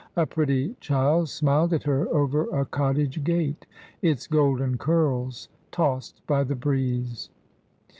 A pretty child smiled at her over a cottage gate, its golden curls tossed by the breeze.